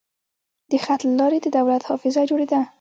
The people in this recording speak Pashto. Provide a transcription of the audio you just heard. د خط له لارې د دولت حافظه جوړېده.